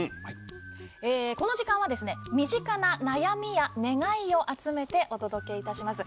この時間は身近な悩みや願いを集めてお届けいたします。